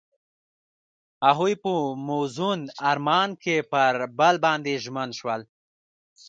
هغوی په موزون آرمان کې پر بل باندې ژمن شول.